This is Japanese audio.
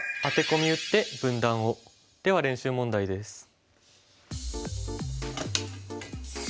では練習問題です。